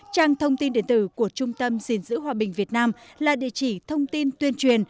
trang thông tin điện tử của trung tâm gìn giữ hòa bình việt nam là địa chỉ thông tin tuyên truyền